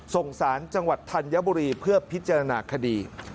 ส่งสารจังหวัดธัญบุรีเพื่อพิจารณาคดี